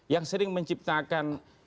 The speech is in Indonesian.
yang sering menciptakan